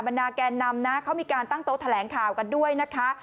นาแกนนำนะเขามีการตั้งโต๊ะแถลงข่าวกันด้วยนะคะ